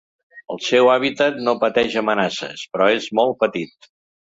El seu hàbitat no pateix amenaces, però és molt petit.